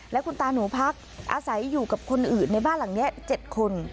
และคุณตาหนูพักอาศัยอยู่กับคนอื่นในบ้านหลังนี้๗คน